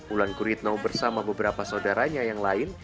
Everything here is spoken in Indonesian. ulan kuritno bersama beberapa saudaranya yang lain